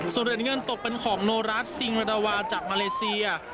ส่วนเหรียญเงินตกเป็นของโนรัสซิงระดาวาจากมาเลเซีย